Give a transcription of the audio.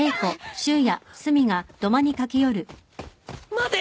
待て！